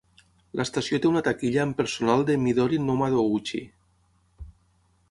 L'estació té una taquilla amb personal de "Midori no Madoguchi".